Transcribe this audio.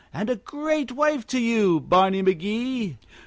And a great wife to you, Barney McGee!